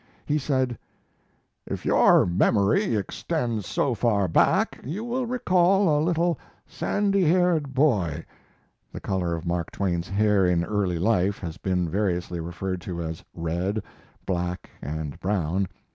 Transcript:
He said: If your memory extends so far back, you will recall a little sandy haired boy [The color of Mark Twain's hair in early life has been variously referred to as red, black, and brown.